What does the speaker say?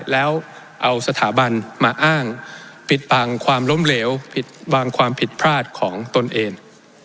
แล้วเอาสถาบันมาอ้างปิดบังความล้มเหลวปิดบังความผิดพลาดของตนเอง